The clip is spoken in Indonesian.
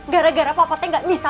gara gara papa tuh gak bisa